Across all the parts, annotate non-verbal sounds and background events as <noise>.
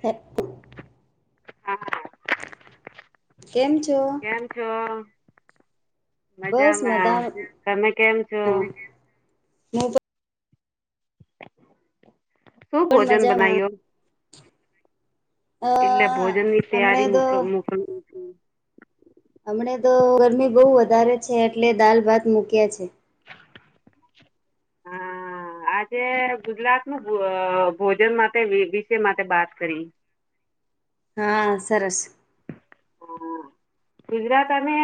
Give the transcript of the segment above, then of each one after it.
હ <inaudible> હા. છો? કેમ છો. બસ મજામાં મજા હું તમે કેમ છો પણ. શું પણ ભોજન મજામાં બનાયો. અ એટલે ભોજન ની હમણે તૈયારી મતલબ કરું છું. હમણાં તો ગરમી બહુ વધારે છે, એટલે દાલ ભાત મુક્યા છે. હા. હા આજે ગુજરાત નું ભોજન માટે વિષય માટે વાત કરી. <inaudible> હા, સરસ. હા. ગુજરાત અને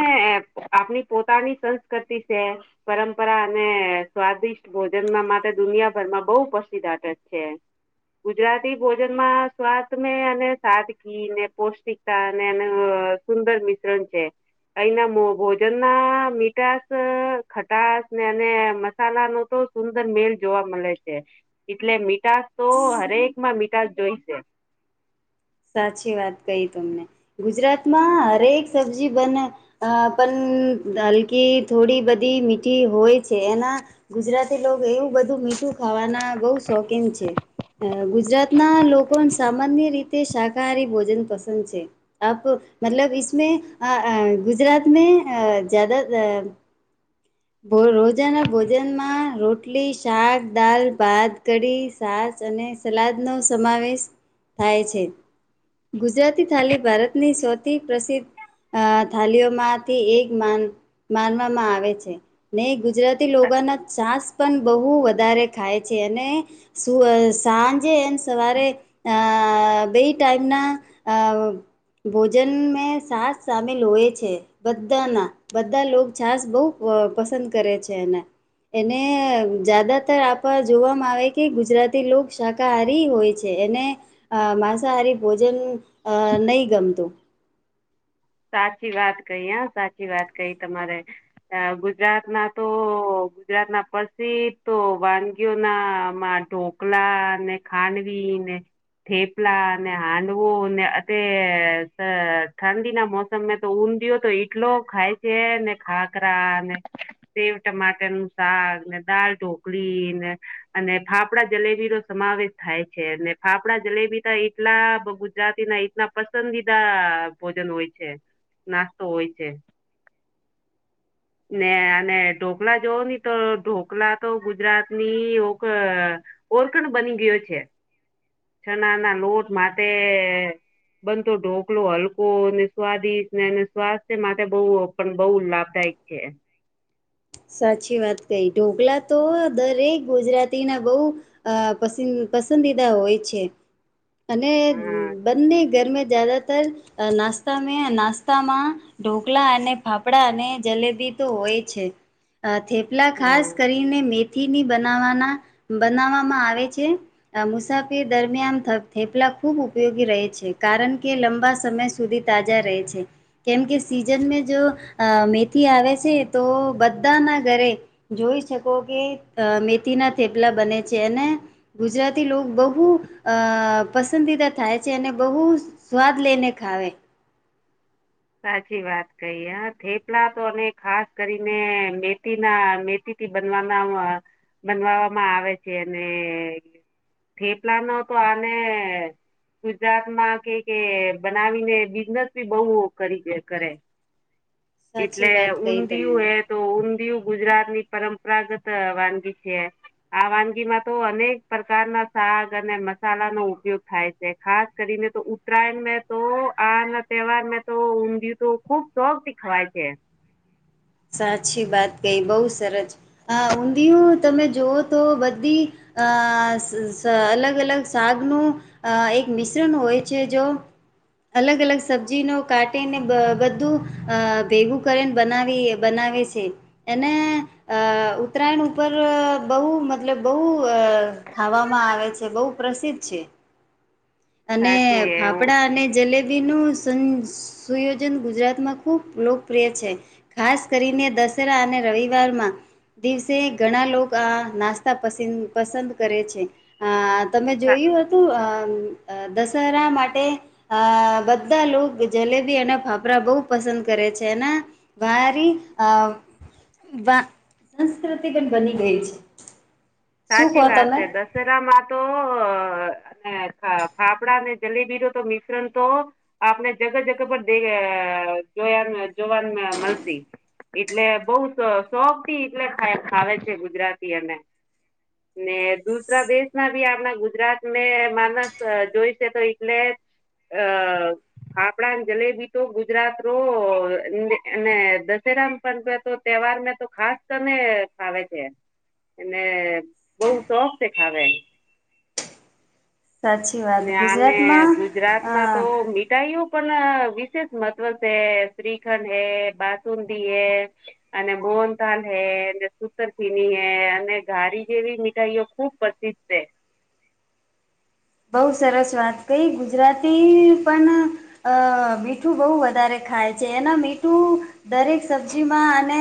આપણી પોતાની સંસ્કૃતિ છે, પરંપરા અને સ્વાદિષ્ટ ભોજનમાં માટે દુનિયાભરમાં બહુ પ્રસિદ્ધ આદત છે. ગુજરાતી ભોજન માં સ્વાદ મે અને સાદગી ને પૌષ્ટિકતા અને સુંદર મિશ્રણ છે. અહીંના ભોજન ના મીઠાસ ખટાસ ને અને મસાલા નુ તો સુંદર મેલ જોવા મળે છે, એટલે મીઠાસ તો હરેકમાં મીઠાસ જોઈ છે. <inaudible> સાચી વાત કહી તમને, ગુજરાતમાં હરેક સબ્જી બને. હલકી થોડી બધી મીઠી હોય છે એના, ગુજરાતી લોકો એવું બધું મીઠું ખાવાના બહુ શોખીન છે, ગુજરાતના લોકો સામાન્ય રીતે શાકાહારી ભોજન પસંદ છે, આપ ઈસ મે મતલબ મે ગુજરાત મે જ્યાદા. બોલ રોજાના ભોજનમાં રોટલી શાક દાલ ભાત કઢી સાસ. અને સલાદનો સમાવેશ થાય છે. ગુજરાતી થાલી ભારતની સૌથી પ્રસિદ્ધ અ થાલીઓમાંથી એક માન માનવામાં આવે છે. ને ગુજરાતી લોકા ના ચાસ પણ બહુ વધારે ખાય છે અને, સુ સાંજે અન સવારે અ અ બે ટાઈમના, અ ભોજન મે સાસ સામેલ હોય છે, બધાના બધા લો છાસ બહુ અ પસંદ કરે છે એને. એને જ્યાદાતર આપવા જોવામાં આવે કે ગુજરાતી લોક શાકાહારી હોય છે. એને, અ માંસાહારી ભોજન અ નહી ગમતું. સાચી વાત કહી હ સાચી વાત કહી તમારે, ગુજરાત ના તો ગુજરાત ના પ્રસિદ્ધ તો વાનગીઓ ના માં ઢોકલા ને ખાંડવી ને થેપલા ને હાંડવો ને અ તે ત ઠંડીના મોસમે તો ઊંધિયો તો એટલો ખાય છે ને ખાખરા અને સેવ ટમાટર નુ શાક ને દાલ ઢોકળી ને, અને ફાફડા જલેબી નો સમાવેશ થાય છે. ને ફાફડા જલેબી ત એટલા ગુજરાતીના એટલા પસંદીદા ભોજન હોય. છે, નાસ્તો હોય છે. ને અને ઢોકલા જોવ ની તો ઢોકલા તો ગુજરાતની ઓ ઓરકણ બની ગયો છે ચણા ના લોટ માટે બનતો ઢોકલો હલકો અને સ્વાદિષ્ટ ને સ્વાસ્થ્ય માટે બવ પણ બવ લાભદાયક છે. સાચી વાત કહી ઢોકલા તો દરેક ગુજરાતીના બહુ પસિંદ પસંદીદા હોય છે. <inaudible> અને હા બંને ગરમે જાદાતર નાસ્તા મે નાસ્તામાં ઢોકલા અને ફાફડા અને જલેબી તો હોય છે, થેપલા હમ ખાસ કરીને મે થીની બનાવાના, બનાવામાં આવે છે, મુસાફિર દરમિયાન થ થેપલા ખૂબ ઉપયોગી રહે છે કારણ કે લંબા સમય સુધી તાજા રહે છે, કેમ કે સીઝન જો, મેથી આવે છે તો બ બધાના ઘરે, જોઈ શકો કે મેથી ના થેપલા બને છે અને, ગુજ રાથી બહુ, અ પસંદીદા થાય છે અને બહુ સ્વાદ લઈને ખાવે. સાચી વાત કહી હ થેપલા તો અને ખાસ કરીને મેથીના મેથી થી બનવામા, બનવામાં આવે છે અને થેપલા નો તો આને ગુજરાત માં કે કે બનાવીને બિઝનેસ બી બ‌ઉ કરી જે કરે સાચી એટલે વાત કહી તમને ઊંધિયું હે તો ઊંધિયું ગુજરાતની પરંપરાગત વાનગી છે. આ વાનગીમાં તો અનેક પ્રકારના શાગ અને મસાલાનો ઉપયોગ થાય છે ખાસ કરી તો ઉત્તરાયણ મે તો આ ન તહેવારમ તો ઊંધિય તો ખુબ શોખથી ખવાય છે. સાચી વાત કઈ બઉ સરજ હ ઊંધિયું તમે જોવો તો બધી અ સ સ અલગ અલગ સાગનું એક મિશ્રણ હોય છે જો અલગ અલગ સબ્જી નો કાટીને બધું અ ભેગું કરીને બનાવીએ બનાવે છે એને અ ઉત્તરાયણ ઉપર બહ મતલબ બહ અ ખાવામાં આવે છે બ‌ઉ પ્રસિદ્ધ છે. અને સાચી ફાફડા અને જલે બી નું સું સુયોજન ગુજરાતમાં ખૂબ લોકપ્રિય છે ખાસ કરીને દ દસેરા અને રવિવારમાં. દિવસે ઘણા લોકો આ નાસ્તા પસ પસંદ કરે છે, આ તમે જોયું હતું અમ અ દસેરા માટે, અ બધા લોકો જલેબી અને ફાફડા બહુ પસંદ કરે. છે ને, ભરી આ વાહ, સંસ્કૃતિ પણ બની ગઈ છે. શું સાચી કહો વાત તમે છે દશેરામાં તો ફાફડા અને જલેબી ન તો મિશ્રણ તો આપણે જગહ જગહ પર દે જો જોવાનું મળતી એટલે બહુ શોખથી એટલે ખાવે છે ગુજરાતીઓને ને દુસરા દેશના બી હમણાં ગુજરાતમાં જોઈશે તો એટલે અ ફાફડાને જલેબી તો ગુજરાત રો અને દ <unintelligible> રામ પ તો તહેવાર તો ખાસ તને ફાવે છે અને <inaudible> <inaudible> બહ શોખ છે ખાવે એને સાચી વાત અને ગુજરાતમાં અ ગુજરાતમાં તો મીઠાઈઓ પણ વિશેષ મહત્વ છે શ્રીખંડ હે બાસુંદી હે અને મોહનથાળ હે સુતરફેની હે અને ઘારી જેવી મીઠાઈઓ ખુબ પ્રસિદ્ધ છે. <inaudible> બઉુ સરસ વાત કહી ગુજરાતી પણ અ મીઠું બહુ વધારે ખાય છે. જેના મીઠું દરેક સબ્જીમાં અને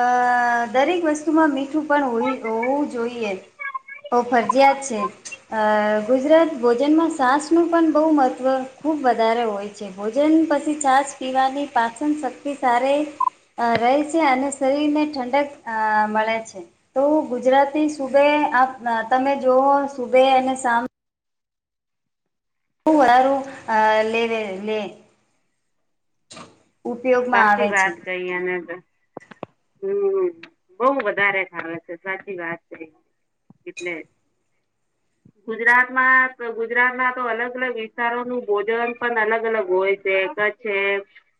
અ દરેક વસ્તુમાં મીઠું <unintelligible> પણ હોવું જોઈએ ફરજયાત છે અ. <unintelligible> ગુજરાત ભોજનમાં છાશનું પણ બહુ મહત્ત્વ ખૂબ વધારે હોય છે ભોજન પછી છાશ પીવાની પાચન શક્તિ સારે અ રહે છે અને શરીર ને ઠંડક અ મળે છે તો ગુજરાતી સુબહ તમે જોવો સુબહ અને શામ હ વરાારું આ લે લે <inaudible> સાચી આવે છે. વાત કઈ એને તો હમ બઉ વધારે ખાવે છે સાચી વાત કરી. એટલે ગુજરાતમાં ગુજરાતમાં તો અલગ અલગ વિસ્તારો નું ભોજન પણ અલગ અલગ હોય છે છે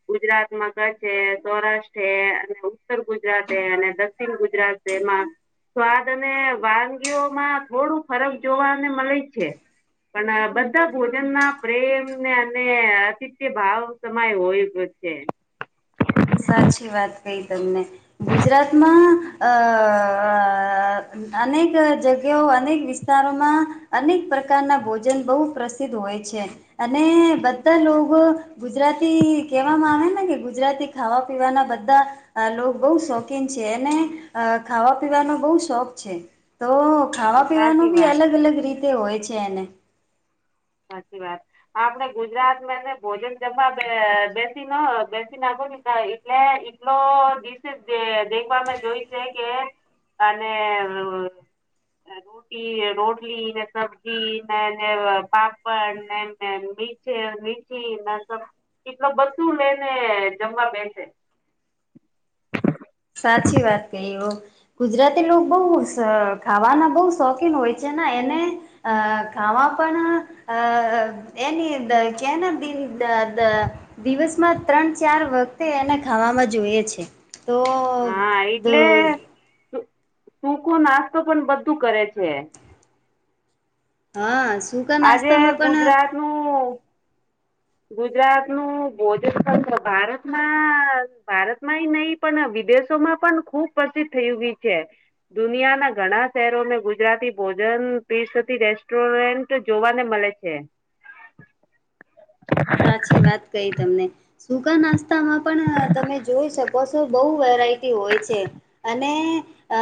ગુજરાત માં કચ્છ <inaudible> સૌરાષ્ટ્ર અને ઉત્તર ગુજરાતે અને દક્ષિણ ગુજરાત એમાં સ્વાદ અને વાનગીઓમાં થોડું ફરક જોવા અને મળે છે. પણ બધા ભોજનમાં પ્રેમ અને અતિત્ય ભાવ સમાય હોય. હમ સાચી વાત કહી તમને ગુજરાતમાં અ <unintelligible> અનેક જગ્યાઓ અનેક વિસ્તારોમાં અનેક પ્રકારના ભોજન બહુ પ્રસિદ્ધ હોય. અને બધા લોકો ગુજરાતી કેવામાં આવે ને કે ગુજરાતી ખાવા પીવાના બધા બહુ શોખીન છે અને ખાવા પીવાનો બહુ શોખ તો ખાવા સાચી પીવાનું બી વાત છે. અલગ અલગ રીતે હોય છે એને. સાચી વાત આપણે ગુજરાતમાં ભોજન જમવા બેસી ના બેસી ના એટલે એટલો દિવસે દેખભ મે જોય છે કે અને અ રોટી રોટલી ને સબ્જી ને પાપડ <unintelligible> મચી એટલ બધું લેને જમવા બેસે. સાચી વાત કહી હો ગુજરાતી લોકો બહુ ખાવાના બહુ શોખીન હોય છે. એને અ ખાવા પણ અ એની કેન દી દ દ દિવસમાં ત્રણ ચાર વખતે એને ખાવામાં જોઈએ છે. તો હા એટલે સૂકો નાસ્તો પણ બધું કરે છે. હા સૂકા આજે નાસ્તામાં પણ ગુજરાત નું ગુજરાતનું ભોજન ભારતમાં ભારતમાંય નહીં પણ વિદેશોમાં પણ ખુબ પ્રસિદ્ધ થય છે દુનિયા ના ઘણા શહેરોને ગુજરાતી ભોજન તીરસતી રેસ્ટોરન્ટ જોવાને મળે છે. સાચી વાત કઈ તમને સૂકા નાસ્તામાં પણ તમે જોઈ શકો છો બહુ વેરાયટી હોય છે અને અ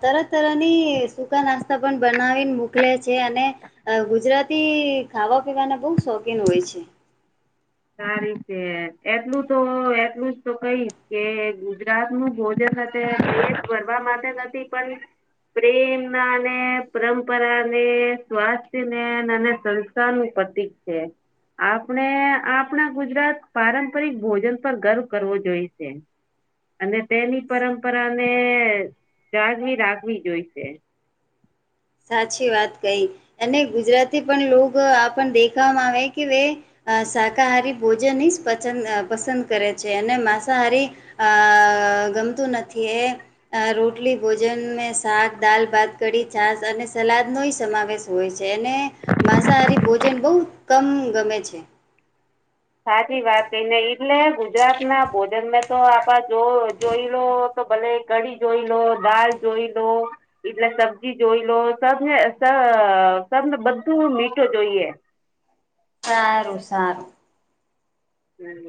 તર તરની સકા નાસ્તા પણ બના મોકલે છે અને ગુજરાતી ખાવા પીવાને બહુ શોખીન હોય છે. સારી છે એટલું તો એટલું જ તો કઈશ કે ગુજરાત નું ભોજન <unintelligible> ભરવા માટે નથી પણ પ્રેમ ના અને પરંપરા ને સ્વાસ્થ્યને અને અને સંસ્થાનું પતિક છે આપણે આપ આપણા ગુજરાત પારંપરિક ભોજન પર ગર્વ કરવો જોઈ છે. અને તેની પરંપરા ને જાળવી રાખવી જોઈશે. સાચી વાત કહી અને ગુજરાતી પણ લોક દેખવામાં આવે કે શાકાહારી ભોજનની જ પંદ પસંદ કરે છે અને માંસાહારી અ ગમતું નથી એ રોટલી ભોજન મે શાક, દાલ, ભાત, કઢી, છાસ અને સલાદનો સમાવેશ હોય છે અને માંસાહારી ભોજન બહુ કમ ગમે છે. <inaudible> સાચી વાત કઈને એટલે ગુજરાત ના ભોજન મેં તો આપ જો જોય લો ભલે કઢી જોઈ લો દાલ જોઈ લો એટલે સબ્જી જોઈ લો હે અ તને બધું મીઠું જોઈએ. સારું સારું. હમ.